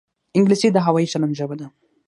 انګلیسي د هوايي چلند ژبه ده